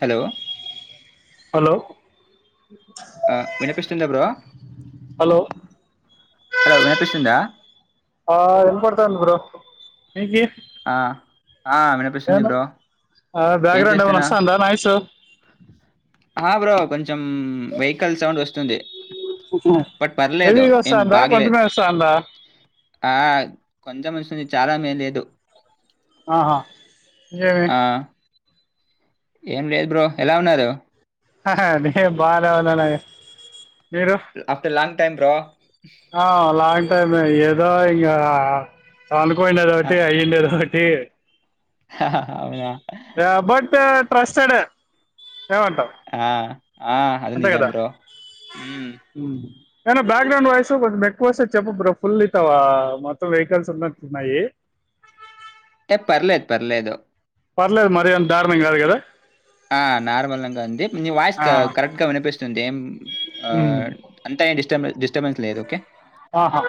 Hello hello ఆ వినిపిస్తుందా bro hello hello వినిపిస్తుందా ఆ ఇన్పడ్తంది బ్రో మికీ ఆ ఆ వినిపిస్తుంది బ్రో ఆ ఏం బ్యాక్గ్రౌండ్ ఏమైనా చేస్తునా వస్తాందా నాయిస్ ఆ బ్రో కొంచెం వెహికల్ సౌండ్ వస్తుంది బట్ పర్లేదు హెవీగా ఏం వస్తాందా బాగలేదు కొంచెమే వస్తాందా ఆ కొంచెం వస్తుంది చాలా మే లేదు ఆహా ఆ ఏం లేదు బ్రో ఎలా ఉన్నారు నేను బానే ఉన్నాను ఆఫ్టర్ లాంగ్ టైమ్ బ్రో ఆ లాంగ్ టైమ్ ఏదో ఇంకా అనుకోనేది ఒకటి అయ్యిండేది ఒకటి చే అవునా బట్ ట్రస్టడ్ ఏమంటాం ఆ ఆ అది నిజం అంతేకదా బ్రో మ్మ్. అయినా బ్యాక్గ్రౌండ్ వాయిస్ కొంచెం ఎక్కువస్తే చెప్ప బ్రో ఫుల్ ఇవా మొత్తం వెహికల్స్ ఉన్న ఉన్నాయి ఏ పర్లేదు పర్లేదు పర్లేదు మరీ అంత దారుణం కాదు కదా ఆ నార్మల్గా ఉంది నీ వాయిస్ ఆ కరెక్ట్ గా వినిపిస్తుంది ఏం ఉమ్ అంతా ఏడిస్ డిస్ డిస్టబెన్స్ లేదు ఒకే ఆహా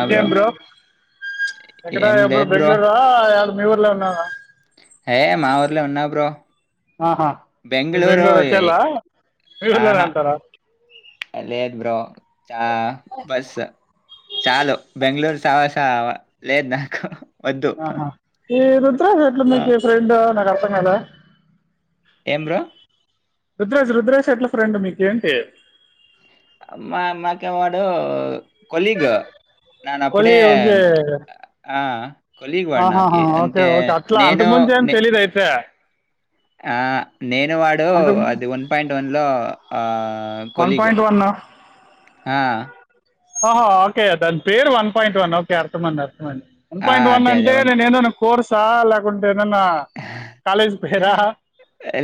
ఇంకేం బ్రో ఎక్కడ ఏం ఇప్పుడు లేదు బెంగళూర మీఊర్లో ఉన్నావా ఏ మా ఊర్లే ఉన్నా బ్రో ఆహా మీరు బెంగుళూరు బెంగళూరు ఇ వచ్చేలా మీ ఊర్లోనే ఆహా ఉంటారా అ లేదు బ్రో చా బస్ చాలు బెంగళూరు సావాసా లేదు నాకు వద్దు ఆహా ఈ రుద్రాజ్ ఎట్లి ఆ, మీకు ఫ్రెండ్ నాకు అర్థం కాల ఏమ్ బ్రో రుద్రాజ్ రుద్రాజ్ ఎట్లా ఫ్రెండ్ మీకేంటి మా మాకే వాడు కొలీగ్ నాను అప్పుడే కొలి ఓకే ఆ కొలీగ్ వాడు నాకి ఆహాహా ఓకే అంటే ఓకే అట్లా నేను అంతకు ముందు ఏమి నే- తెలీదయితే ఆ నేను వాడు అంతకు అది వన్ పాయింట్ వన్ లో ఆ ఆ వన్ కొలిగ్ పాయింట్ వన్ ఆ ఆహా ఓకే అ దాని పేరు వన్ పాయింట్ వన్ ఓకే అర్థమన్నారు వన్ పాయింట్ వన్ అదే అదే అంటే నేను ఏదోనా కోర్సా లేకుంటే ఏదన్నా కాలేజీకి పోయరా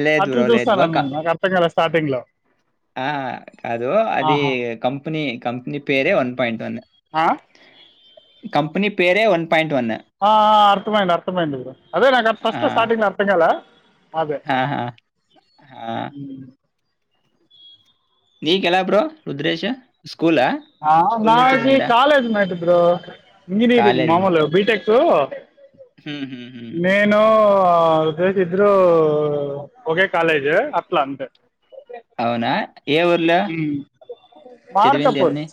లేదు అట్లు బ్రో లేదు బ్రో చూస్తానని నేను నాకు అర్థంకాలేదు చాటింగ్ లో ఆ కాదు అది కంపెనీ కంపెనీ పేరే వన్ పాయింట్ వన్ ఆ కంపెనీ పేరే వన్ పా ఆ అర్థమైంది అర్థమైంది బ్రో అదే నాకు ఆ! ఫస్ట్ స్టార్టింగ్ లో అర్థం కాలా ఆహా హా నీకు ఎలా బ్రో రుద్రష ఆ నాకి కాలేజ్ మేట్ బ్రో ఇంజనీరింగ్ మామూలుగా బి టెక్ అ నేను ఆ ఇద్దరూ ఒకే కాలేజు అట్లా అంతే అవునా ఏ ఊర్లో ఉమ్. చదివింది అన్ని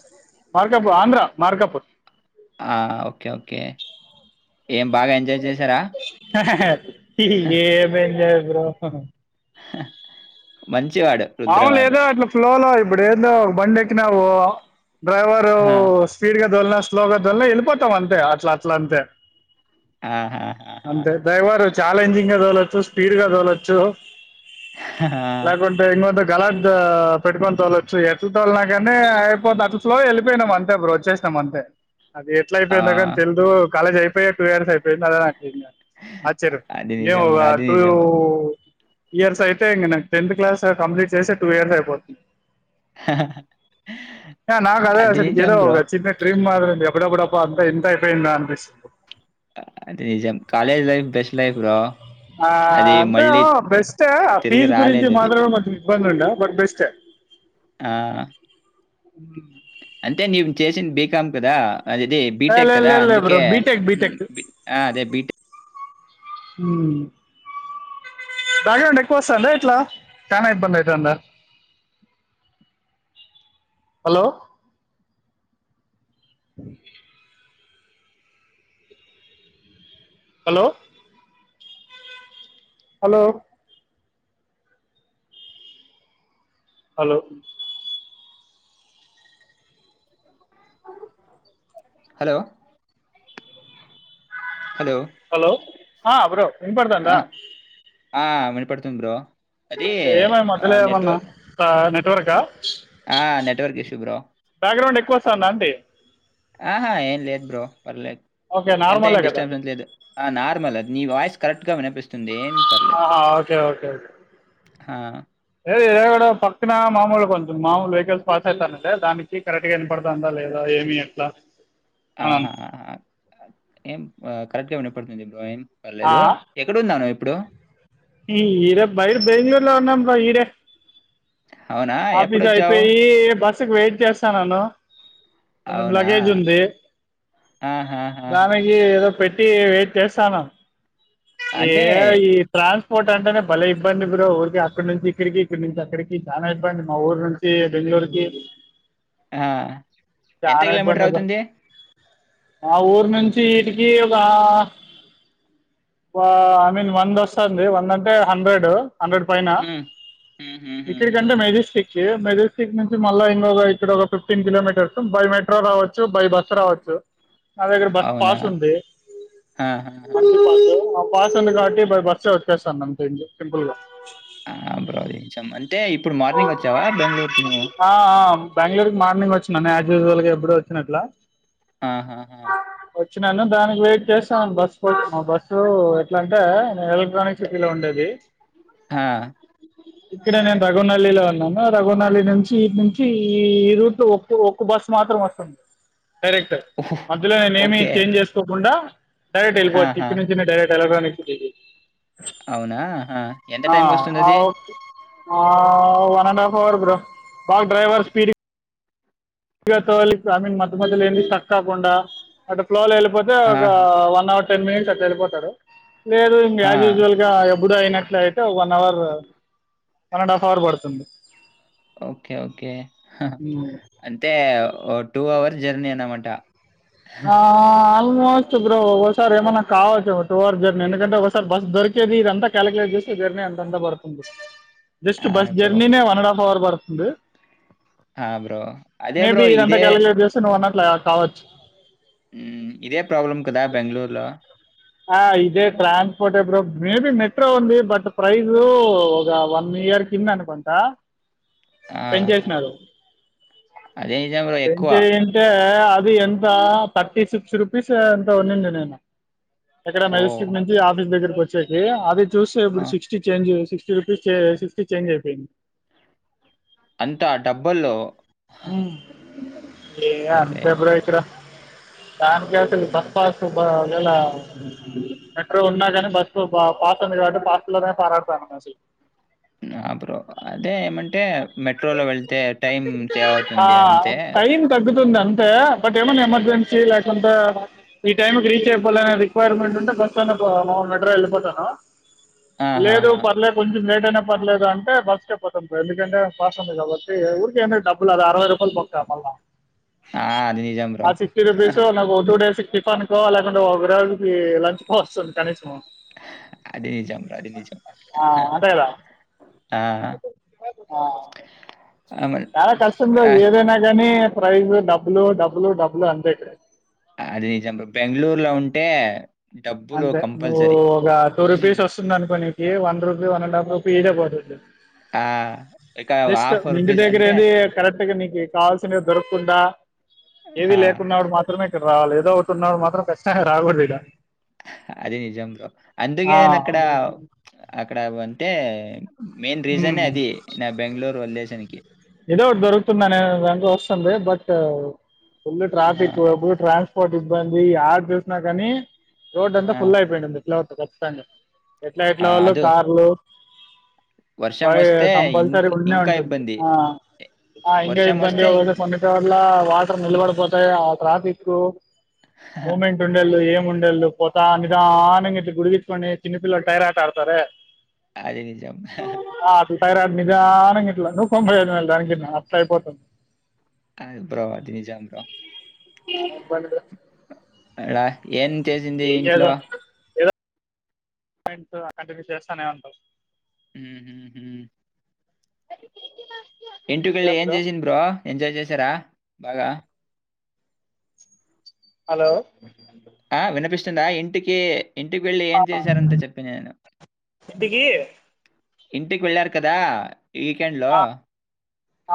మార్కాపూర్ ఆంధ్ర మార్కాపూర్ ఆ ఓకే ఓకే ఏం బాగా ఎంజాయ్ చేశారా? ఏం ఎంజాయ్ బ్రో మంచి మామలు లేదో అట్లా ఫ్లోలో ఇప్పుడు ఏందో బండెక్కినావు డ్రైవరు ఆ! స్పీడ్ గా స్లోగాడోల్ల వెళ్ళిపోతావు అంతే అట్లా అట్లా అంతే ఆహాహాహా! అంతే డ్రైవర్ చాలెంజింగా తోలొచ్చు స్పీడ్ గా తోలొచ్చు ఆ గలట్ పెట్టుకొని తోలొచ్చు ఎటు తోలినా గానీ అయిపోత అట్ స్లో వెళ్ళిపోయినాం అంతే బ్రో వచ్చేసి అంతే అది ఎట్లా ఆ! అయిపోయిందిగనీ తెలుదు కాలేజ్ అయిపోయా టూ ఇయర్స్ అయిపోయింది అద ఆశ్చర్యం అది ఏమో నిజం బ్రో. ఆ అది టూ నిజం. బ్రో, ఇయర్స్ అయితే ఇంగా నాకు టెన్త్ క్లాస్ కంప్లీట్ చేసే టూ ఇయర్స్ అయిపోతుంది నాకదే అది అసలు నిజం ఏదో బ్రో. ఒక చిన్న డ్రీమ్ అప్పుడప్పుడు అబ్బా టెన్త్ అయిపోయిందా అనిపిస్తు అదే నిజం college life best life bro ఆ అది అంటే మళ్ళీ బెస్టే ఆ తిరిగి ఫీజ్ గురించి రాలేదది. మాత్రం మాకు ఇబ్బంది ఉండే బట్ బెస్టే ఆ అంటే నీవు చేసింది బీకాం కదా అదే ఇది బీటెక్ లేదు కదా లేదు బ్రో అందుకే బీటెక్ అదే బీటెక్ ఉమ్ బాగ్రౌండ్ ఎక్కువ వస్తాందా ఎట్లా చానా ఇబ్బంది అయితాందా hello hello hello hello hello hello! Hello ఆ బ్రో ఆ! వినపడతాందా ఆ వినపడుతుంది బ్రో అది ఏమై మధ్యలో ఏమన్నా నెట్వర్క్ నెట్వర్కా ఆ నెట్వర్క్ ఇష్యూ బ్రో బ్యాక్గ్రౌండ్ ఎక్కువ వస్తుందా అంటీ ఆహా ఏం లేదు బ్రో పర్లేదు ఓకే ఎంత ఏం నార్మలే కదా డిస్టర్బెన్స్ లేదు ఆ నార్మల్ నీ వాయిస్ కరెక్ట్ గా వినిపిస్తుంది ఏమి పర్లేదు ఆహా ఓకే ఓకే ఓకే ఆ కూడా పక్కన మామలు కొంచెం మామూలు వెహికల్స్ పాస్ అవుతానంటే దానికి కరెక్ట్ గా వినపడతాందా లేదా ఏమి ఎట్లా ఆ అని ఏం కరెక్ట్ గా వినపడుతుంది బ్రో ఏం ఆ పర్లేదు ఎక్కడున్నావు నువ్వు ఇప్పుడు ఈ ఈడే బైరు బెంగళూరులో ఉన్నాం బ్రో ఈడే అవునా? ఆఫీస్ ఎప్పుడొచ్చావు? అయిపోయి బస్సుకు వెయిట్ చేస్తానను అవునా? లగేజ్ ఉంది ఆహాహాహా! దానికి ఏదో పెట్టి వెయిట్ చేస్తానా ఏ అంటే ఈ ట్రాఫిక్ ట్రాన్స్పోర్ట్ అంటేనే భలే ఇబ్బంది బ్రో ఊరికి అక్కడి నుంచి ఇక్కడికి ఇక్కడి నుంచి అక్కడికి చాలా ఇబ్బంది మా ఊరు నుంచి దొరికే ఆ ఎంత కిలోమీటర్ అవుతుంది ఆ ఊరు నుంచి ఇడికి ఒక ఐ మీన్ వంద వస్తుంది వంద అంటే హండ్రెడ్ హండ్రెడ్ పైన హ్మ్. హ్మ్. హ్మ్. హ్మ్. హ్మ్. ఇక్కడికంటే మెజెస్టిక్ మెజెస్టిక్ నుంచి మళ్ళా ఇంకొక ఇక్కడ ఒక ఫిఫ్టీన్ కిలోమీటర్స్ బై మెట్రో రావచ్చు బై బస్సు రావచ్చు నా దగ్గర బస్ అవునా? పాస్ ఉంది ఆహాహా! పాస్ ఉంది కాబట్టి బై బస్ వచ్చేస్తానుంత సింపుల్ గా ఆ బ్రోంచాం అంటే ఇప్పుడు మార్నింగ్ వచ్చావా బెంగళూరుకి నువ్వు ఆ ఆ బెంగళూరుకి మార్నింగ్ వచ్చినాను యాజ్ యూజువల్గా ఎప్పుడు వచ్చినట్లా ఆహా హ వచ్చినాను దానికి వెయిట్ చేస్తా బస్సు పో బస్సు ఎట్లా అంటే ఎలక్ట్రానిక్ సిటీలో ఉండేది ఆ! ఇక్కడ నేను రఘునల్లిలో ఉన్నాను రఘునల్లి నుంచి వ నుంచి ఈ ఈ రూట్ లో ఒ ఒక్క బస్సు మాత్రమే ఉంటుంది డైరెక్ట్ ఓహ్! మధ్యలో నేనేమీ ఓకే. చేంజ్ చేసుకోకుండా డైరెట్ వెళ్లిపోవచ్చు ఆహా! ఇంటి నుంచిడైరెక్ట్ ఎలక్ట్రానిక్ సిటీకి అవునా అహ ఎంత ఆ టైంకి వస్తుంది ఆ అది okay one and half hour bro boss driver speed తోలి ఐ మీన్ మధ్య మతు ఏంటి తక్ కాకుండా అంటే ఫ్లోలళ పోతే ఒక ఆహా! వన్ అవర్ టెన్ మినిట్స్ అట్లా వెళ్ళిపోతారు లేదు ఇంకా ఆ! యా్ యూజువల్ గా కూడా అయినట్ల అయితే one hour one and half hour పడుతుంది ఓకే ఓకే అంటే ఓ టూ అవర్ జెర్నీ అన్నమాట ఆ ఆ ఆల్మోస్ట్ బ్రో సార్ ఏమైన్నా కావచ్చు ఒక టూ అవర్ జర్నీ ఎందుకంటే ఒకసారి బస్ దొరికేది ఇదంతా కాల్యులేట్ చేస్తే జర్నీ అంతా పడుతుంది జస్ట్ ఆ! Bus bro. జర్నీ నే వన్ అండ్ హాఫ్ అవర్ పడుతుంది ఆ! బ్రో. అదే మేబీ బ్రో ఇదంతా ఇదే కాలికలేట్ చేస్తే నువ్వు అన్నట్లే కావచ్చు ఉమ్ ఇదే ప్రాబ్లమ్ కదా బెంగళూరులో ఇదే ట్రాన్స్పోర్ట్ ఎ బ్రో మేబి మెట్రో ఉంది బట్ ప్రైజ్ ఒక వన్ యర్కి అనుకుంటా ఆహా! పెన్చేసినరూ అదే నిజం బ్రో పెని ఎక్కువ. చేయంటే అది ఎంత థర్టీ సిక్స్ రూపీస్ ఎంత ఉందండి నేను ఎక్కడ ఓ! మెజిస్ట్రిక్ట్ నుంచి ఆఫీస్ దగ్గరకి వచ్చేది అది చూసి ఆ! ఇప్పుడు sixty change six sixty rupees sixty change అయిపోయింది అంతా డబ్బల్లో ఏ అంతే బ్రో ఇక్కడ దానికికు బస్సు హుహుహు. పస్సు ఇలా మెట్రో ఉన్నా కాని బస్సు పాస్ ఉంది కాబట్టి పాస్ హ బ్రో అదే ఏమంటే మెట్రోలో వెళ్తే టైం సేవ్ అవుతుంది అంతే ఉంది అంతే బట్ ఏమైనా హ్మ్. ఎమర్జెన్సీ లేకుం టే ఈ టైంకి రీచ్ అయిపోలనే రిక్వైర్మెంట్ ఉంటే బస్తోనే మెట్ర వెళ్ళిపోతాను లేదు ఆహాహా! పర్లేదు కొంచెం లేట్ అయినా పర్లేదు అంటే బస్కే పోతాం సార్ ఎందుకంటే పాస్ ఉంది కాబట్టి ఊరికే ఎందుకు పాస్ ఉంది అవై అరవై రూపాయలు బొక్క మళ్ళా ఆ! అది నిజం బ్రో. ఆ సిక్స్త్య్ రూపీస్సు నాకు ఓ టు డేస్ టిఫిన్ కో లేకుంటే ఒక రోజుకి లంచ్ కో వస్తుంది కనీసము అది నిజం రా అది నిజం హా అంతే కదా ఆ ఆ! మరి చాలా కష్టంలో ఆహ్, ఏదైనా గాని ప్రైజ్ డబ్బులు డబ్బులు డబ్బులు అంతే ఇక్కడ అది నిజం బ్రో బెంగళూరులో ఉంటే డబ్బులు అంతే నువ్వు కంపల్సరీ. ఒక టూ హ్మ్. రూపీస్ వస్తుంది అనుకోని ఏ one rupee one and half rupee easy గా పోదు ఆ! ఇక రూ. జస్ట్ మీ ఇంటి దగ్గర అంటే ఏది కరెక్ట్గాకు కాల్ దొరకకుండా ఏవి ఆ! లేకున్నాడు మాత్రమే రావాలి ఏదో ఒకటి ఉన్న మాత్రం ఖచ్చితంగా రాకూడదు ఇడ అదే నిజము బ్రో ఆ అందుకేన్ అక్కడ అక్కడ అంతే మెయిన్ ఉమ్ రీజనే అది నా బెంగళూరు వదిలేసానికి వెండ లో వస్తుంది బట్ ఫుల్ ఆ, ట్రాఫిక్ప్పుడు ట్రాన్స్ పోర్ట్ ఇబ్బంది ఆడు చూసిన కాని రోడ్డు అంతా ఆ, ఫుల్ అయిపోయిడుంది ఎట్లా వ ఖచ్చితంగా ఎట్లా ఆ, ఎట్లా వాళ్ళు అదో కార్లు వర్షం బై వస్తే కంపల్సరీ ఇంకా ఉండే ఇంకా ఉంటుంది ఇబ్బంది ఆ ఆ ఇంతే వర్షం వస్తే ఇబ్బందిగా ఇంకా కొన్నిసార్ల వాటర్ నిల్బడపోతా ఆ ట్రాఫిక్ మూమెంట్ ఉండేళు ఏం గుండెళ్ళు పోతా నిదానంగా ఇట్ గుడికిచ్చుకొని చిన్నపిల్లలు టైర్ ఆటా ఆడతారే అది నిజ ఆ అట్లా టైర్ ఆట నిజానికి ఇట్లా నువ్వు కొంపదు మ దానికి అట్లా అయిపోతుంది ఆది బ్రో నిజాంగా ఇబ్బంది అడ ఏం చేసింది ఏం ఇంట్లో ట్ కంటిన్యూ చేస్తానే ఉంటది హ్మ్మ్ హు మ్మ్ అన ఇంటికెళ్ళి ఏం చేసింది బ్రో ఎంజాయ్ చేసారా బాగా హలో ఆ వినిపిస్తుందా ఇంటికి ఇంటికి వెళ్ళి ఏం చేశారంత చెప్పి నేను ఇంటికి ఇంటికి వెళ్ళారు కదా వీకెండ్ లో ఆ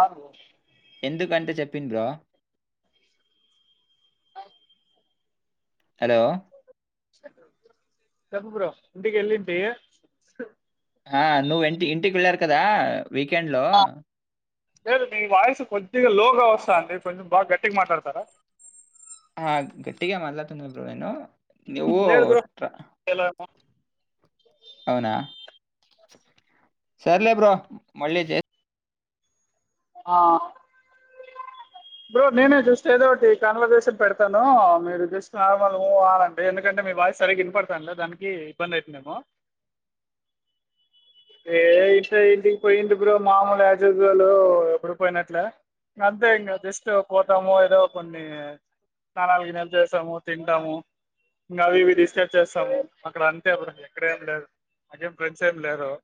అవును బ్రో ఎందుకంటే చెప్పండ్రో హలో చెప్ప బ్రో ఇంటికి వెళ్ళింటి ఆ నువ్ ఇంటి ఇంటికి వెళ్ళారు కదా వీకెండ్ లో లేదు మీ వాయిస్ కొద్దిగా లోగా వస్తాంది కొంచెం బాగా గట్టిగా మాట్లాడతారా ఆ గట్టిగే మట్లాతుంద్రు బ్రో నేను నవ ఆ అవునా సర్లే బ్రో మళ్ళీ చే ఆ బ్రో నేనే చూస్తే ఏదో ఒకటి కాన్వర్జేషన్ పెడతాను మీరు జస్ట్ నార్మల్ గా ఉ ఆ అనండి ఎందుకంటే మీ వాయిస్ సరిగ్ వినపడతానులే దానికి ఇబ్బంది అవుతది ఏమో అ ఏ ఇష ఇంటికి పోయింది బ్రో మామూలు యాజుజలు ఎప్పుడు పోయినట్లే అంతే ఇంగ జస్ట్ పోతమో ఏదో కొన్ని స్నానాలు గినక చేస్తాము తింటాము ఇంకా అవి ఇవి డిస్కస్ చేస్తాము అక్కడ అంతే ఎప్పుడు ఎక్కడ ఏం లేరు నాకేం ఫ్రెండ్స్ ఏం లేరు అ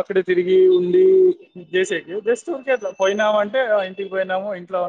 అక్కడ తిరిగి ఉండి చేసేకి జస్ట్ ఊరికే అట్లా పోయినాము అంటే ఇంటికి పోయినాము ఇంట్లో